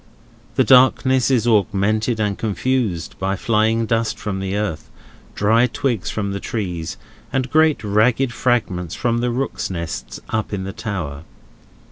The darkness is augmented and confused, by flying dust from the earth, dry twigs from the trees, and great ragged fragments from the rooks' nests up in the tower.